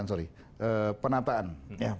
yang kemudian yang berikutnya adalah penguatan mpr